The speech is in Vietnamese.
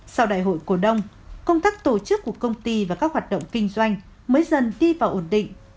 sau đại hội cổ đông công tác tổ chức của công ty và các hoạt động kinh doanh mới dần đi vào ổn định